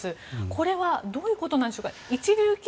これはどういうことなんでしょうか。